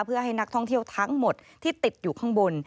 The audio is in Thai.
เพื่อให้นักท่องเที่ยวทั้งหมดที่ติดอยู่ข้างบน